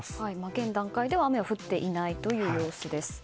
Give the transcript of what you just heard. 現段階では雨は降っていない様子です。